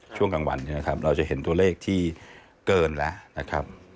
ช่วงกลางวันเราจะเห็นตัวเลขที่เกินแล้วนะครับ